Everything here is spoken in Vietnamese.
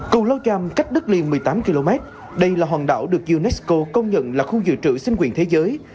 cùng lâu chàm cách đức liên một mươi tám km đây là hòn đảo được unesco công nhận là khu dự trữ sinh quyền thế giới